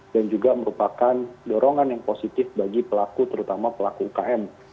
dan juga merupakan dorongan yang positif bagi pelaku terutama pelaku ukm